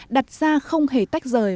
đặt ra không hề tách rời